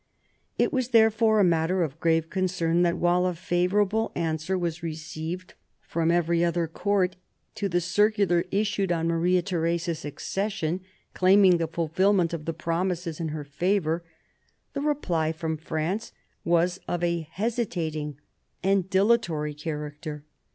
It was therefore a matter of grave concern that, while a favourable answer was received from every other court to the circular issued on Maria Theresa's accession claiming the fulfilment of the promises in her favour, the reply from France was of a hesitating and dilatory character.